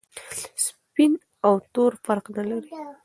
سپین او تور فرق نلري.